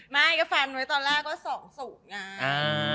ไม่ก็ฟันไว้ตอนแรกว่า๒๐ไง